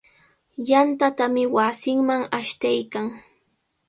Yantatami wasinman ashtaykan.